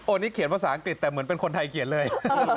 นี่เขียนภาษาอังกฤษแต่เหมือนเป็นคนไทยเขียนเลย